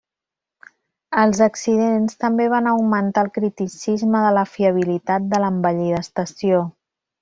Els accidents també van augmentar el criticisme de la fiabilitat de l'envellida estació.